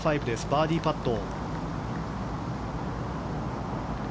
バーディーパット。